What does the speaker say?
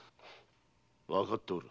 わかっておる。